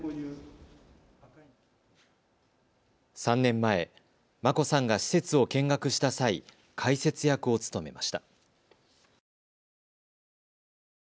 ３年前、眞子さんが施設を見学した際、解説役を務めました。